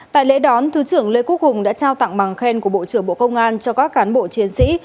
tại lễ đón thứ trưởng lê quốc hùng đã trao tặng bằng khen của bộ trưởng bộ công an cho các cán bộ chiến sĩ